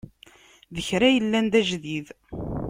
D kra yellan d ajdid.